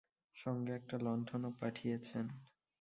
সঙ্গে একটা লণ্ঠনও পাঠিয়েছেন।